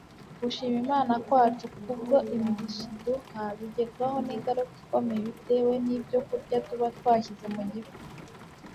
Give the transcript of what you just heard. gushima imana kwacu kubwo imigisha iduha bigerwaho n'ingaruka ikomeye bitewe n'ibyokurya tuba twashyize mu gifu